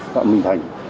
phạm minh thành